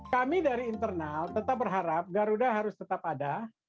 kami dari internal tetap berharap garuda harus tetap ada